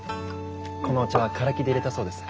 このお茶はカラキでいれたそうです。